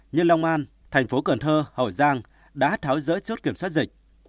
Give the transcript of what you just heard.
nhưng long an tp cn hậu giang đã tháo giới chốt kiểm soát dịch